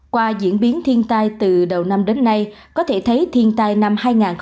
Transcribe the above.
qua diễn biến thiên tai từ đầu năm đến nay có thể thấy thiên tai năm hai nghìn hai mươi